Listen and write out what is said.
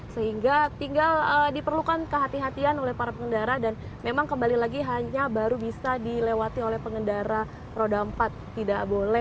sehingga tinggal diperlukan kehatian kehatian oleh para pengendara dan memang kembali lagi hanya baru bisa dilewati oleh pengendara roda empat tidak boleh